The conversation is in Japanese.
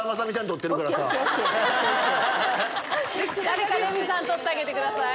誰かレミさん撮ってあげてください。